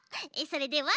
それでは。